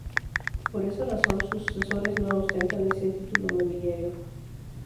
Por esa razón sus sucesores no ostentan este título nobiliario.